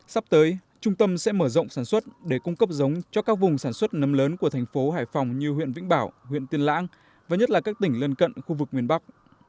sắp tới trung tâm sẽ mở rộng sản xuất để cung cấp giống cho các vùng sản xuất nấm lớn của thành phố hải phòng như huyện vĩnh bảo huyện tiên lãng và nhất là các tỉnh lân cận khu vực miền bắc